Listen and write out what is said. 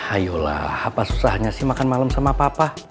ayolah apa susahnya sih makan malam sama papa